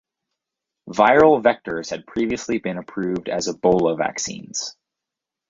Viral vectors had previously been approved as ebola vaccines.